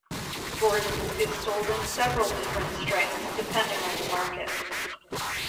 Gordon's is sold in several different strengths depending on the market.